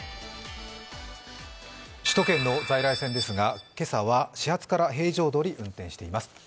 首都圏の在来線ですが、今朝は始発から平常どおり運転しています。